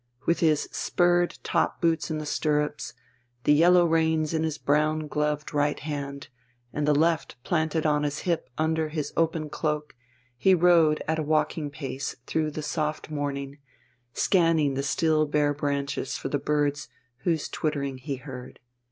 With his spurred top boots in the stirrups, the yellow reins in his brown gloved right hand, and the left planted on his hip under his open cloak, he rode at a walking pace through the soft morning, scanning the still bare branches for the birds whose twittering he heard.